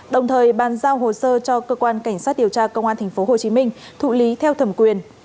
đồng thời bàn giao hồ sơ cho cơ quan cảnh sát điều tra công an tp hcm thụ lý theo thẩm quyền